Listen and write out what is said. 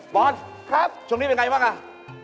บอสครับช่วงนี้เป็นอย่างไรบ้าง